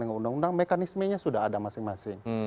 dengan undang undang mekanismenya sudah ada masing masing